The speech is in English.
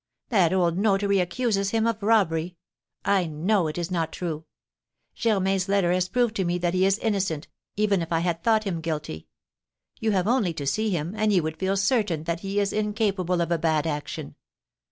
That old notary accuses him of robbery. I know it is not true. Germain's letter has proved to me that he is innocent, even if I had thought him guilty. You have only to see him, and you would feel certain that he is incapable of a bad action.